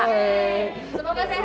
loheh semoga sehat